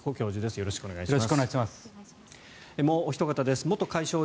よろしくお願いします。